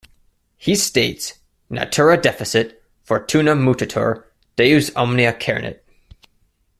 He states, Natura deficit, fortuna mutatur, deus omnia cernit.